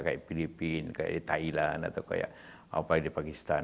kayak filipina kayak thailand atau kayak apa di pakistan